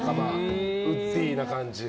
ウッディーな感じ。